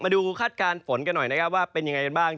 มาดูคาดการณ์ฝนกันหน่อยแบบเป็นอย่างไรบ้าง